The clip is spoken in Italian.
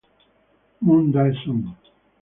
Moon Dae-sung